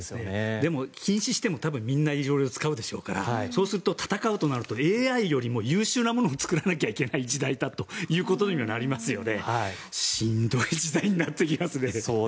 でも禁止しても色々みんな使うでしょうからそうすると戦うとなるとＡＩよりも優秀なものを作らないといけない時代ということになりますよね。